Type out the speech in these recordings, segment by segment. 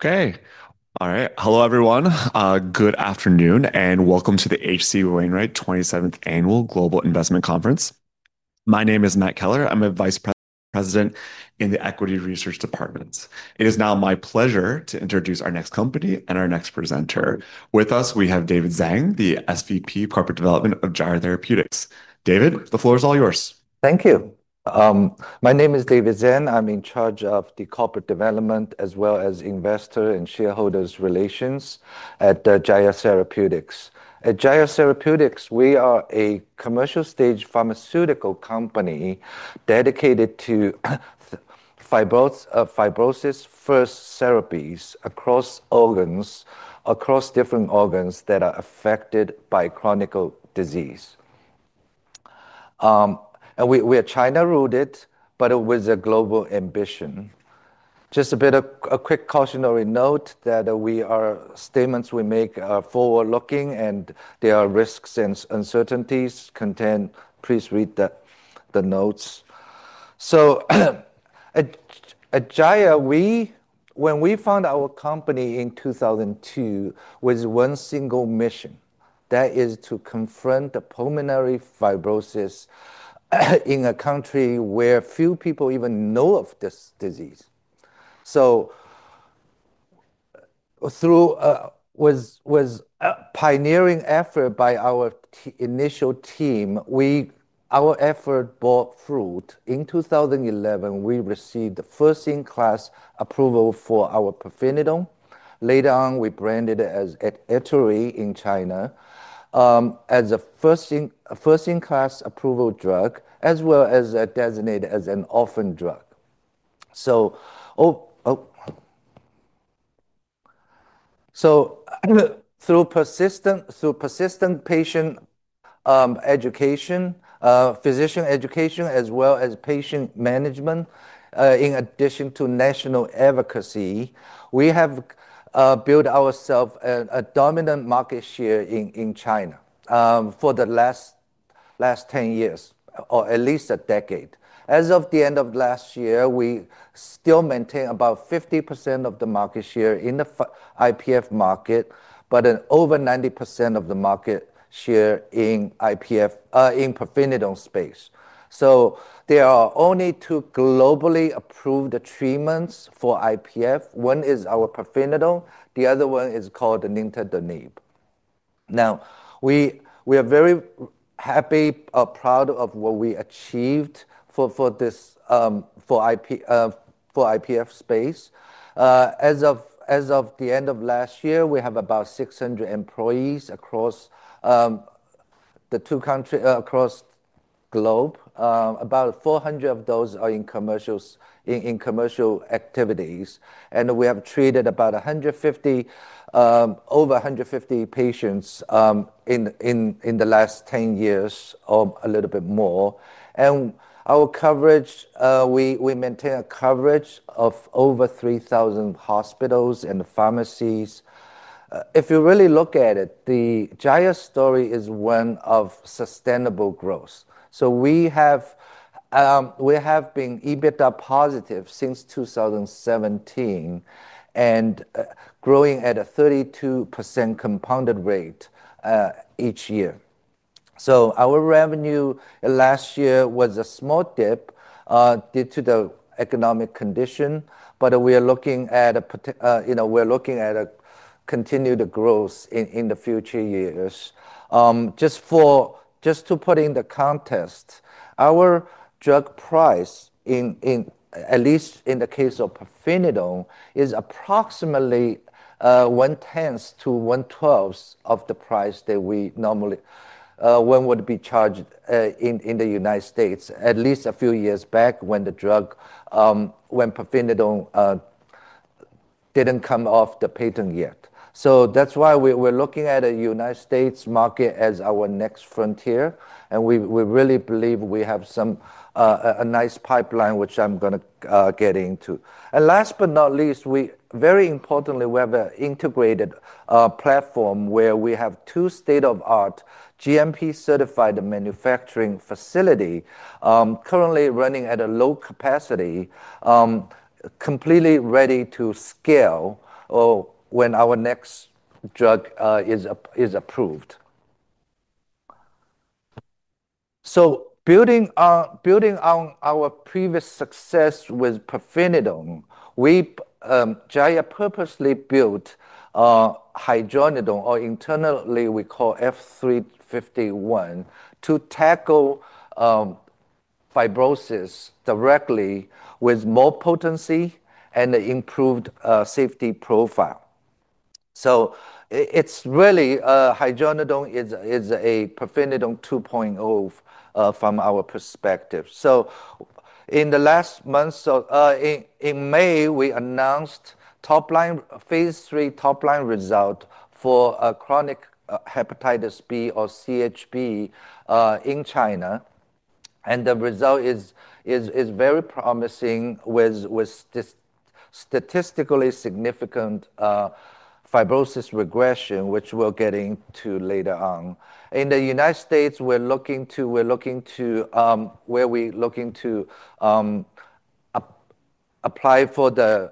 Okay. All right. Hello, everyone. Good afternoon and welcome to the HC Wainwright 27th Annual Global Investment Conference. My name is Matt Keller. I'm a Vice President in the Equity Research Department. It is now my pleasure to introduce our next company and our next presenter. With us, we have David Zhang, the SVP Corporate Development of Gyre Therapeutics. David, the floor is all yours. Thank you. My name is David Zhang. I'm in charge of Corporate Development as well as investor and shareholders relations at Gyre Therapeutics. At Gyre Therapeutics, we are a commercial stage pharmaceutical company dedicated to fibrosis-first therapies across different organs that are affected by chronic disease. We are China-rooted, but with a global ambition. Just a bit of a quick cautionary note that the statements we make are forward-looking and there are risks and uncertainties contained. Please read the notes. At Gyre, when we founded our company in 2002, it was one single mission, that is to confront the pulmonary fibrosis in a country where few people even know of this disease. Through a pioneering effort by our initial team, our efforts bore fruit. In 2011, we received the first-in-class approval for our pirfenidone. Later on, we branded it as ETUARY® in China as a first-in-class approval drug, as well as designated as an orphan drug. Through persistent patient education, physician education, as well as patient management, in addition to national advocacy, we have built ourselves a dominant market share in China for the last 10 years, or at least a decade. As of the end of last year, we still maintain about 50% of the market share in the IPF market, but over 90% of the market share in pirfenidone space. There are only two globally approved treatments for IPF. One is our pirfenidone. The other one is called nintedanib. We are very happy and proud of what we achieved for the IPF space. As of the end of last year, we have about 600 employees across the globe. About 400 of those are in commercial activities. We have treated about over 150,000 patients in the last 10 years, or a little bit more. We maintain a coverage of over 3,000 hospitals and pharmacies. If you really look at it, the Gyre story is one of sustainable growth. We have been EBITDA positive since 2017 and growing at a 32% compounded rate each year. Our revenue last year was a small dip due to the economic condition, but we are looking at continued growth in the future years. Just to put it into context, our drug price, at least in the case of pirfenidone, is approximately one-tenth to one-twelfth of the price that we normally would be charged in the U.S., at least a few years back when pirfenidone didn't come off the patent yet. That's why we're looking at the U.S. market as our next frontier. We really believe we have a nice pipeline, which I'm going to get into. Last but not least, very importantly, we have an integrated platform where we have two state-of-the-art GMP-certified manufacturing facilities currently running at a low capacity, completely ready to scale when our next drug is approved. Building on our previous success with pirfenidone, Gyre purposely built hydronidone, or internally we call F351, to tackle fibrosis directly with more potency and an improved safety profile. Hydronidone is really a pirfenidone 2.0 from our perspective. In the last month, in May, we announced Phase 3 top-line result for chronic hepatitis B or CHB in China. The result is very promising with statistically significant fibrosis regression, which we'll get into later on. In the U.S., we're looking to apply for the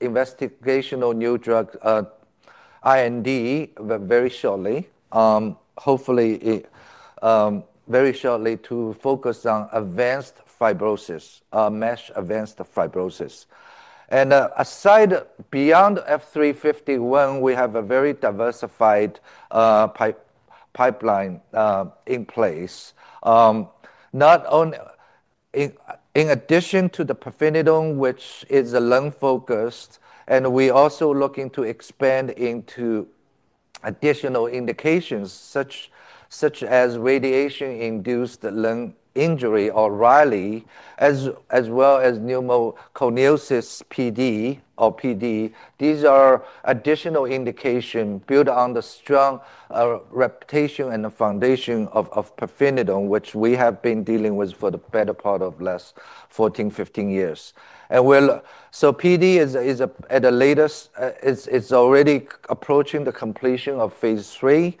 Investigational New Drug, IND, very shortly, hopefully very shortly, to focus on MASH-advanced fibrosis. Beyond F351, we have a very diversified pipeline in place. In addition to the pirfenidone, which is lung-focused, we're also looking to expand into additional indications such as radiation-induced lung injury or RALI, as well as pneumoconiosis. These are additional indications built on the strong reputation and the foundation of pirfenidone, which we have been dealing with for the better part of the last 14, 15 years. Pneumoconiosis is at the latest, it's already approaching the completion of Phase 3.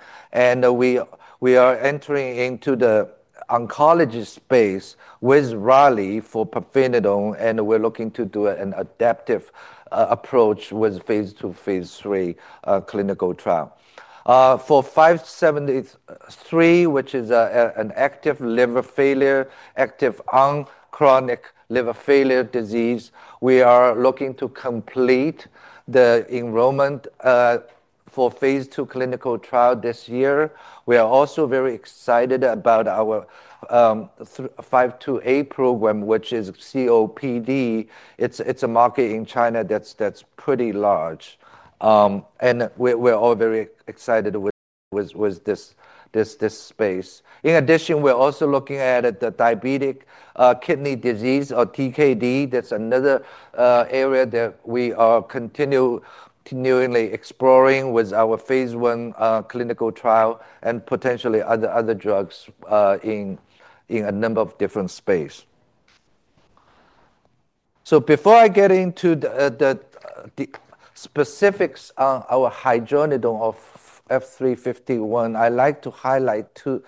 We are entering into the oncology space with RALI for pirfenidone, and we're looking to do an adaptive approach with Phase 2 and Phase 3 clinical trial. For F573, which is in acute-on-chronic liver failure disease, we are looking to complete the enrollment for Phase 2 clinical trial this year. We are also very excited about our F528 program, which is COPD. It's a market in China that's pretty large, and we're all very excited with this space. In addition, we're also looking at diabetic kidney disease or DKD. That's another area that we are continually exploring with our Phase 1 clinical trial and potentially other drugs in a number of different spaces. Before I get into the specifics on our hydronidone or F351, I'd like to highlight two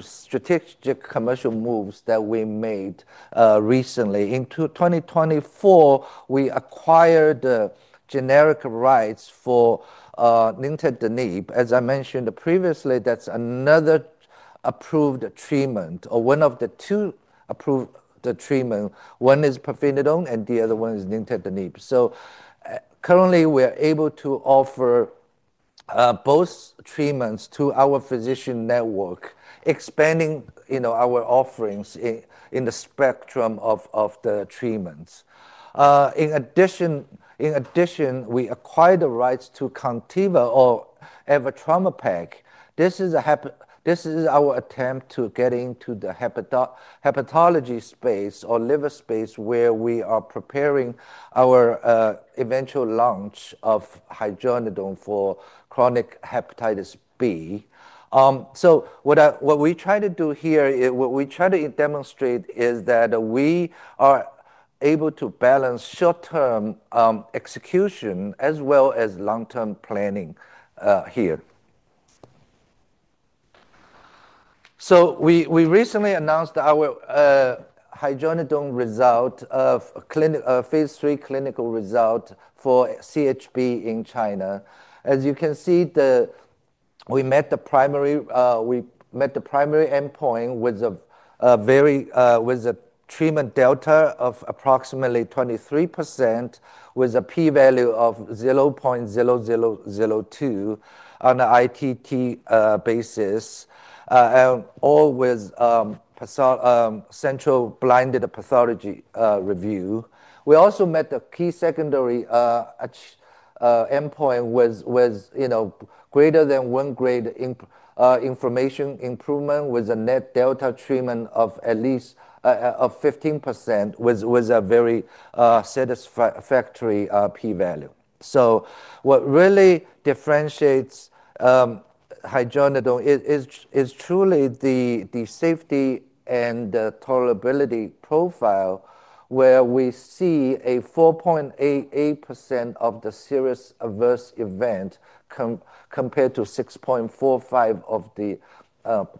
strategic commercial moves that we made recently. In 2024, we acquired the generic rights for nintedanib. As I mentioned previously, that's another approved treatment or one of the two approved treatments. One is pirfenidone and the other one is nintedanib. Currently, we are able to offer both treatments to our physician network, expanding our offerings in the spectrum of the treatments. In addition, we acquired the rights to Contiva or Evotrauma PEG. This is our attempt to get into the hepatology space or liver space where we are preparing our eventual launch of hydronidone for chronic hepatitis B. What we try to do here, what we try to demonstrate is that we are able to balance short-term execution as well as long-term planning here. We recently announced our hydronidone phase 3 clinical result for CHB in China. As you can see, we met the primary endpoint with a treatment delta of approximately 23% with a p-value of 0.0002 on an ITT basis, and all with central blinded pathology review. We also met the key secondary endpoint with greater than one grade inflammation improvement with a net delta treatment of at least 15% with a very satisfactory p-value. What really differentiates hydronidone is truly the safety and tolerability profile where we see a 4.88% of the serious adverse event compared to 6.45% of the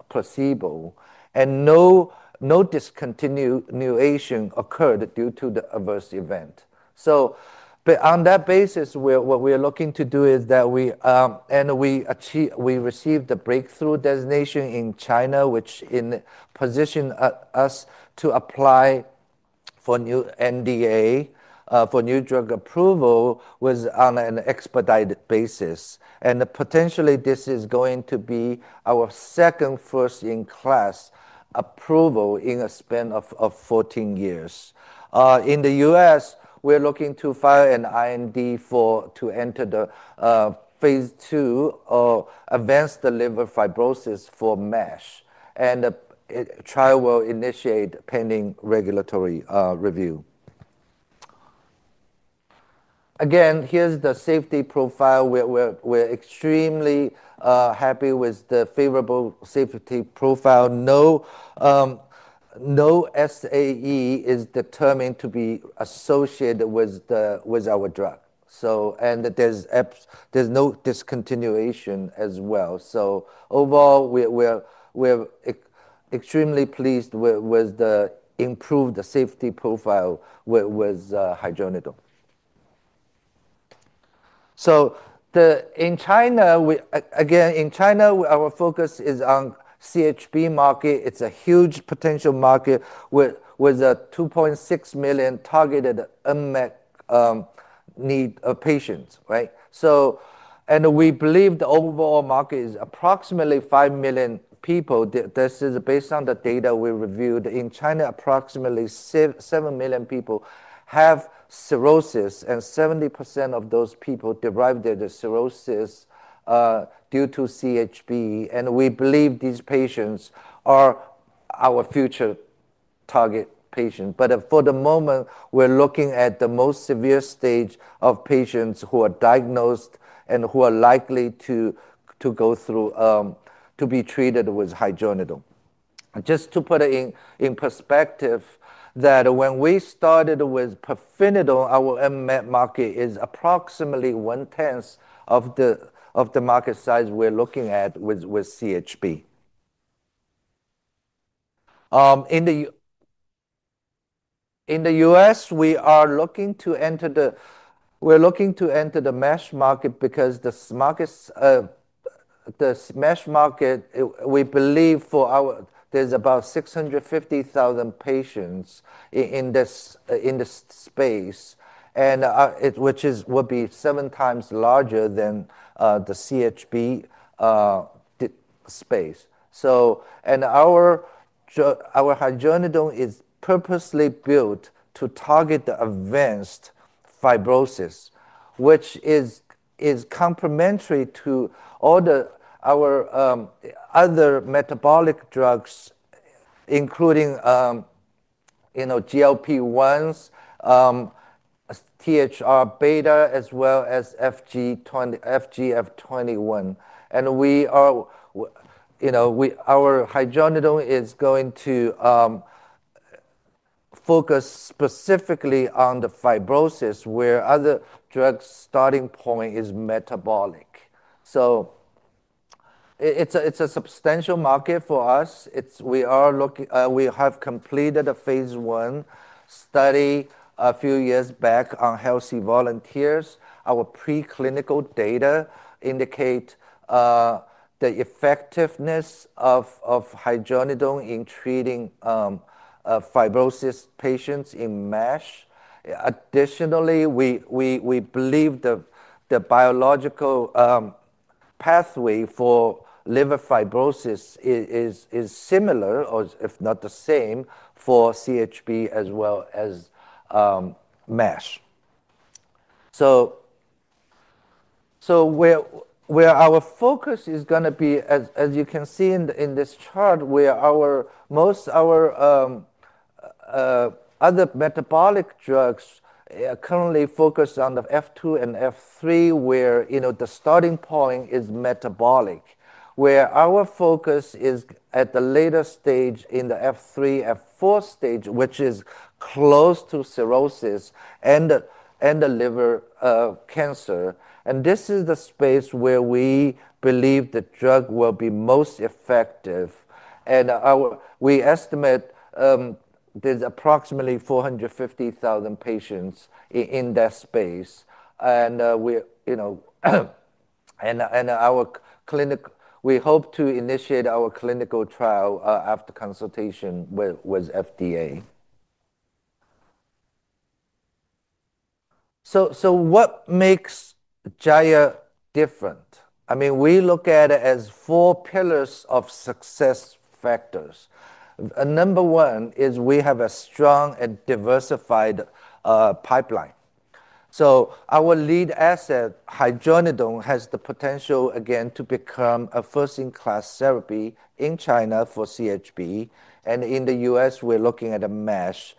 placebo. No discontinuation occurred due to the adverse event. On that basis, we received the breakthrough designation in China, which positions us to apply for new NDA for new drug approval on an expedited basis. Potentially, this is going to be our second first-in-class approval in a span of 14 years. In the U.S., we're looking to file an IND to enter the phase 2 or advanced liver fibrosis for MASH. The trial will initiate pending regulatory review. Again, here's the safety profile. We're extremely happy with the favorable safety profile. No SAE is determined to be associated with our drug. There's no discontinuation as well. Overall, we're extremely pleased with the improved safety profile with hydronidone. In China, our focus is on the CHB market. It's a huge potential market with 2.6 million targeted unmet needs of patients. We believe the overall market is approximately 5 million people. This is based on the data we reviewed. In China, approximately 7 million people have cirrhosis, and 70% of those people derive their cirrhosis due to CHB. We believe these patients are our future target patients. For the moment, we're looking at the most severe stage of patients who are diagnosed and who are likely to go through to be treated with hydronidone. Just to put it in perspective, when we started with pirfenidone, our unmet market is approximately one-tenth of the market size we're looking at with CHB. In the U.S., we are looking to enter the MASH market because the MASH market, we believe, for our there's about 650,000 patients in this space, which will be seven times larger than the CHB space. Our hydronidone is purposely built to target the advanced fibrosis, which is complementary to all our other metabolic drugs, including GLP-1s, THR-beta, as well as FGF21. Our hydronidone is going to focus specifically on the fibrosis where other drugs' starting point is metabolic. It's a substantial market for us. We have completed a Phase 1 study a few years back on healthy volunteers. Our preclinical data indicates the effectiveness of hydronidone in treating fibrosis patients in MASH. Additionally, we believe the biological pathway for liver fibrosis is similar, or if not the same, for CHB as well as MASH. Where our focus is going to be, as you can see in this chart, most of our other metabolic drugs are currently focused on the F2 and F3, where the starting point is metabolic, where our focus is at the latest stage in the F3-F4 stage, which is close to cirrhosis and liver cancer. This is the space where we believe the drug will be most effective. We estimate there's approximately 450,000 patients in that space. We hope to initiate our clinical trial after consultation with FDA. What makes Gyre different? We look at it as four pillars of success factors. Number one is we have a strong and diversified pipeline. Our lead asset, hydronidone, has the potential, again, to become a first-in-class therapy in China for CHB. In the U.S., we're looking at MASH.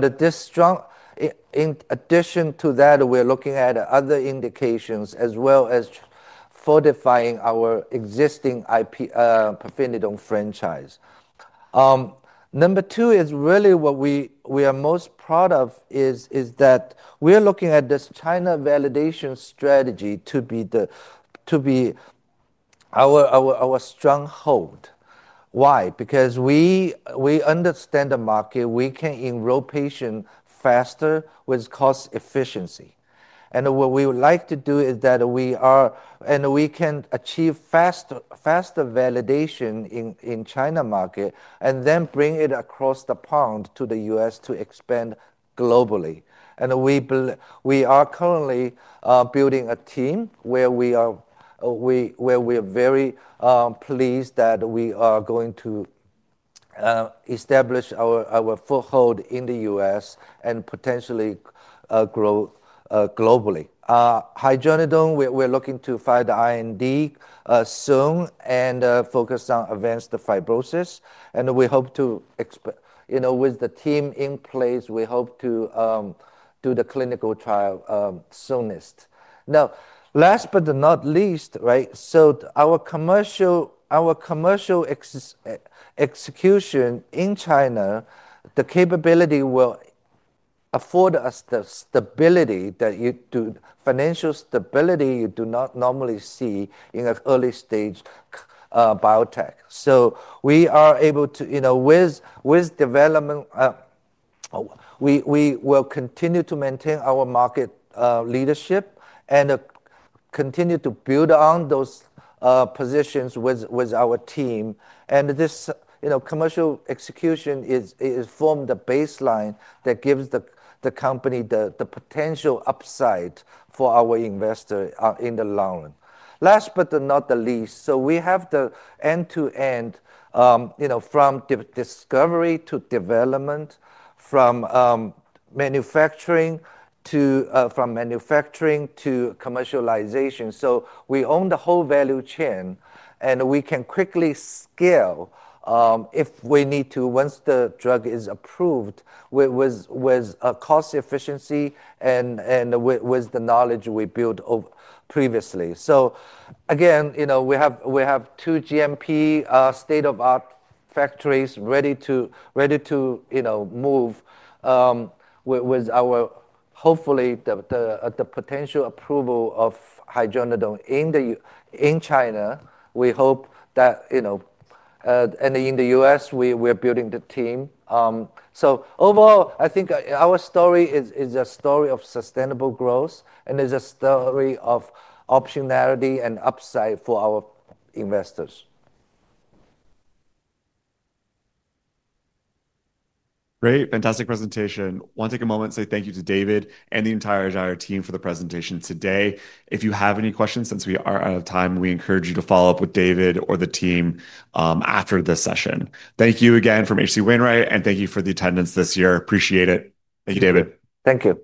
In addition to that, we're looking at other indications as well as fortifying our existing pirfenidone franchise. Number two is really what we are most proud of, we are looking at this China validation strategy to be our stronghold. Why? Because we understand the market. We can enroll patients faster with cost efficiency. What we would like to do is achieve faster validation in the China market and then bring it across the pond to the U.S. to expand globally. We are currently building a team where we are very pleased that we are going to establish our foothold in the U.S. and potentially grow globally. Hydronidone, we're looking to file the IND soon and focus on advanced fibrosis. We hope to, with the team in place, do the clinical trial soonest. Last but not least, our commercial execution in China, the capability will afford us the stability that you do not normally see in an early-stage biotech. We are able to, with development, continue to maintain our market leadership and continue to build on those positions with our team. This commercial execution forms the baseline that gives the company the potential upside for our investor in the long run. Last but not the least, we have the end-to-end, from discovery to development, from manufacturing to commercialization. We own the whole value chain. We can quickly scale if we need to once the drug is approved with cost efficiency and with the knowledge we built previously. Again, we have two GMP-certified state-of-the-art factories ready to move with our, hopefully, the potential approval of hydronidone in China. We hope that, and in the US, we're building the team. Overall, I think our story is a story of sustainable growth and is a story of optionality and upside for our investors. Great. Fantastic presentation. I want to take a moment to say thank you to David and the entire Gyre team for the presentation today. If you have any questions, since we are out of time, we encourage you to follow up with David or the team after this session. Thank you again from HC Wainwright. Thank you for the attendance this year. Appreciate it. Thank you, David. Thank you.